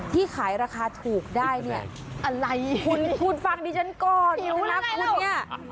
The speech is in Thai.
ที่ขายราคาถูกได้เนี่ยอะไรคุณฟังดิฉันก่อนหิวแล้วไงล่ะ